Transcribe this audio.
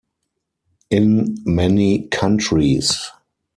In many countries.